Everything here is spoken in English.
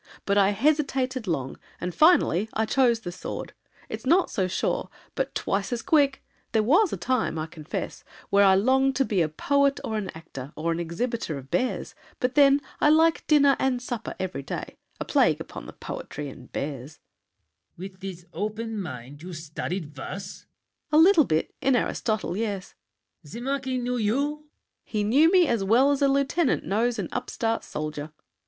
But I hesitated long, and finally I chose the sword. It's not so sure, but twice As quick. There was a time, I will confess, I longed to be a poet or an actor, Or an exhibitor of bears—but then, I like dinner and supper every day. A plague upon the poetry and bears! LAFFEMAS. With this hope in your mind you studied verse? SAVERNY. A little bit, in Aristotle. Yes— LAFFEMAS. The Marquis knew you? SAVERNY. He knew me as well As a lieutenant knows an upstart soldier.